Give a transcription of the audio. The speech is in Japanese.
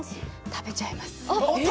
食べちゃいます。